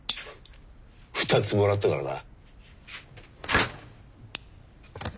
２つもらったからな。